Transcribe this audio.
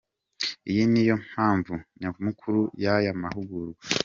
Iyi niyo mpamvu nyamukuru y’aya mahugurwa.